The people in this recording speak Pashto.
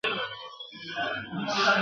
چي شاعر د څرګند پیغام له ورکولو څخه !.